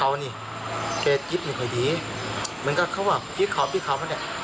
เขาเนี่ยแก่จิ๊บไม่ค่อยดีมันก็เขาบอกพี่ขอบพี่ขอบมาเนี่ย